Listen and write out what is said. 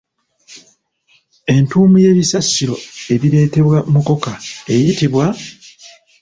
Entuumu y'ebisassiro ebireetebwa mukoka eyitibwa?